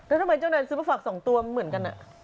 แล้วทำไมเจ้านายซื้อมาฝาก๒ตัวเหมือนกัน